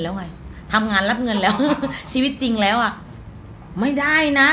แล้วไงทำงานรับเงินแล้วชีวิตจริงแล้วอ่ะไม่ได้นะ